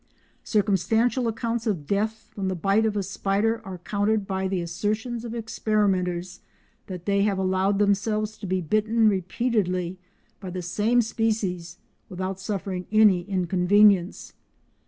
Circumstantial accounts of deaths from the bite of a spider are countered by the assertions of experimenters that they have allowed themselves to be bitten repeatedly by the same species without suffering any inconvenience.